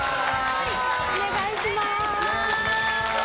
お願いします！